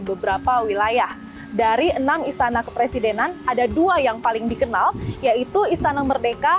beberapa wilayah dari enam istana kepresidenan ada dua yang paling dikenal yaitu istana merdeka